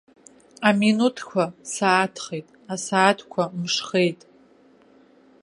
Аминуҭқәа сааҭхеит, асааҭқәа мшхеит.